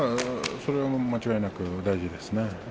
間違いなく大事ですね。